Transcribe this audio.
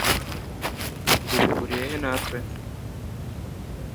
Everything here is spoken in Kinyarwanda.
Ibyo bihuriye he natwe